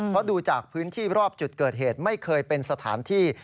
เพราะดูจากพื้นที่รอบจุดเกิดเหตุไม่เคยเป็นสถานที่